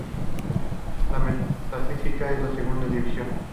La Metafísica es la segunda división.